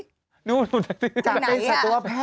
จากไหนล่ะจากศัตรวแพทย์แล้วก็โงเห้งสินแส